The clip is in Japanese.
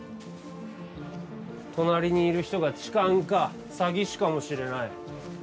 隣にいる人が痴漢が詐欺師かもしれない。